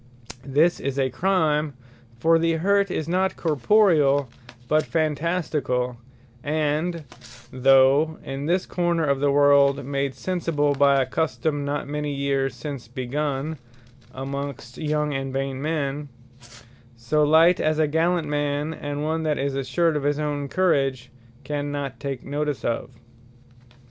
This is a Crime; For the hurt is not Corporeall, but Phantasticall, and (though in this corner of the world, made sensible by a custome not many years since begun, amongst young and vain men,) so light, as a gallant man, and one that is assured of his own courage, cannot take notice of.